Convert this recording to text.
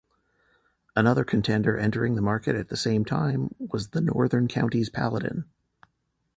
Another contender entering the market at the same time was the Northern Counties Paladin.